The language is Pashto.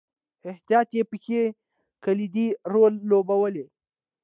احتیاطي پېښې کلیدي رول لوبوي.